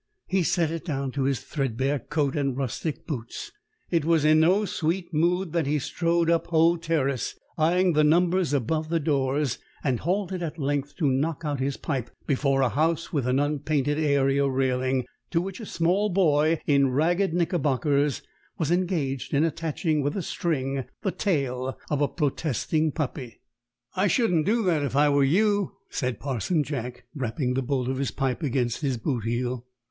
He set it down to his threadbare coat and rustic boots. It was in no sweet mood that he strode up Hoe Terrace, eyeing the numbers above the doors, and halted at length to knock out his pipe before a house with an unpainted area railing, to which a small boy in ragged knickerbockers was engaged in attaching with a string the tail of a protesting puppy. "I shouldn't do that if I were you," said Parson Jack, rapping the bowl of his pipe against his boot heel.